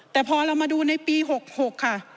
แต่พอเรามาดูในปี๖๖ค่ะ